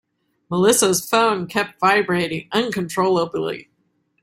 Melissa's phone kept vibrating uncontrollably.